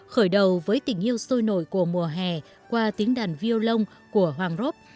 khởi đầu với tình yêu sôi nổi của mùa hè qua tiếng đàn viêu lông của hoàng rốt